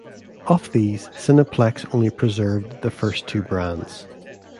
Of these, Cineplex only preserved the first two brands.